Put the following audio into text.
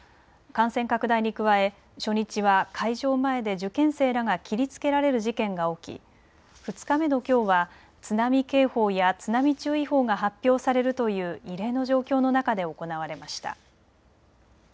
感染拡大に加え、初日は会場前で受験生らが切りつけられる事件が起き２日目のきょうは津波警報や津波注意報が発表されるという異例の状況の中で行われました。